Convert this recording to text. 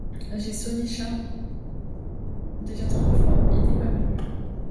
J’ai sonné Charles déjà trois fois, il n’est pas venu.